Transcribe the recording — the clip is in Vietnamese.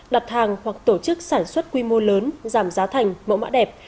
đặt hàng hoặc tổ chức sản xuất quy mô lớn giảm giá thành mẫu mã đẹp